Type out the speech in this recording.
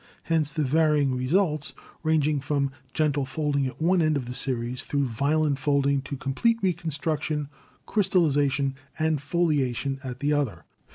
Hence the varying results, ranging from gentle folding at one end of the series through violent folding to complete reconstruction, crys tallization and foliation at the other.